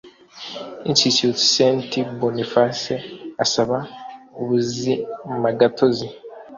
institut saint boniface asaba ubuzimagatozi